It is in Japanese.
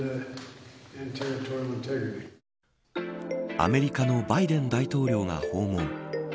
アメリカのバイデン大統領が訪問。